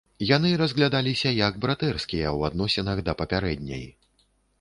Яны разглядаліся як братэрскія ў адносінах да папярэдняй.